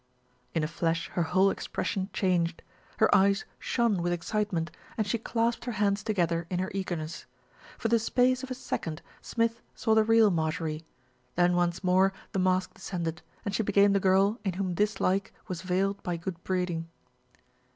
In a flash her whole expression changed. Her eyes SMITH BECOMES A POPULAR HERO 193 shone with excitement and she clasped her hands to gether in her eagerness. For the space of a second Smith saw the real Marjorie, then once more the mask descended, and she became the girl in whom dislike was veiled by good breeding.